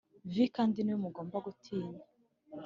V kandi ni we mugomba gutinya